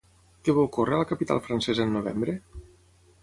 Què va ocórrer a la capital francesa en novembre?